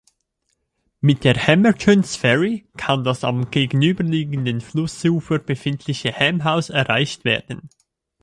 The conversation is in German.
Mit der Hammerton’s Ferry kann das am gegenüberliegenden Flussufer befindliche Ham House erreicht werden.